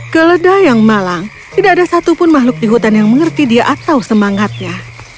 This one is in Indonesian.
keledah yang malang tidak ada satupun makhluk di hutan yang mengerti dia atau semangatnya